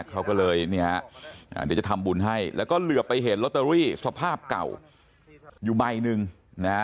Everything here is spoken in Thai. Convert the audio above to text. เขาก็เลยเนี่ยเดี๋ยวจะทำบุญให้แล้วก็เหลือไปเห็นลอตเตอรี่สภาพเก่าอยู่ใบหนึ่งนะฮะ